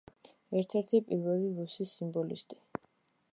ერთ-ერთი პირველი რუსი სიმბოლისტი.